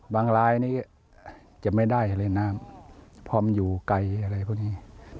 บางไระนี้จะไม่ได้อะไรน้ำถึงพร้อมอยู่ไกลอะไรพวกนี้